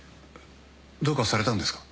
どうかされたんですか？